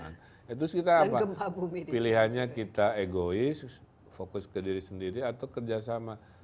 terus pilihannya kita egois fokus ke diri sendiri atau kerjasama